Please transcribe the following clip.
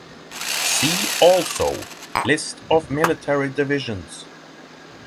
See also list of military divisions.